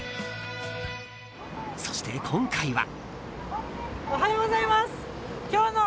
そして今回は。